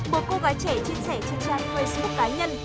một cô gái trẻ chia sẻ trên trang facebook cá nhân